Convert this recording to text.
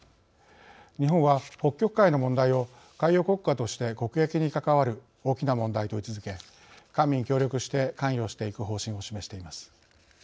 日本は北極海の問題を海洋国家として国益に関わる大きな問題と位置づけ官民協力して関与していく方針を示しています。